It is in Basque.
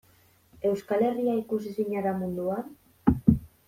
Euskal Herria ikusezina da munduan?